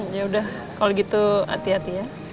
ya udah kalau gitu hati hati ya